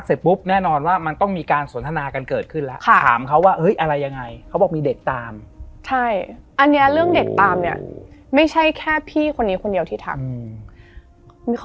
ซึ่งทุกคนก็แบบอะไรเป็นอะไร